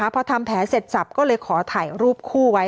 พอทำแผลเสร็จสับก็เลยขอถ่ายรูปคู่ไว้